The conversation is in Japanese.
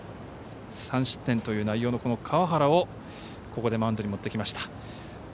３失点という内容の川原をここでマウンドに持ってきました。